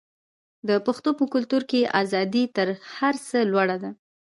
د پښتنو په کلتور کې ازادي تر هر څه لوړه ده.